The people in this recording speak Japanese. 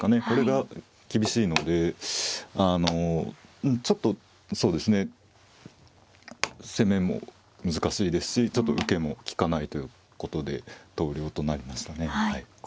これが厳しいのであのちょっとそうですね攻めも難しいですしちょっと受けも利かないということで投了となりましたね。